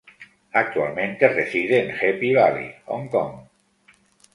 Actualmente reside en Happy Valley, Hong Kong.